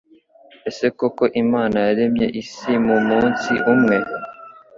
Ese koko Imana yaremye isi mumunsi umwe?